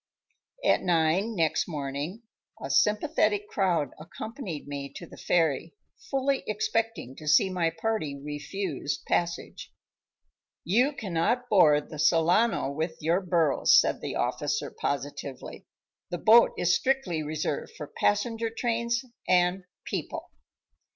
At nine next morning a sympathetic crowd accompanied me to the ferry, fully expecting to see my party refused passage. "You cannot board the Solano with your burros," said the officer, positively; "the boat is strictly reserved for passenger trains and people."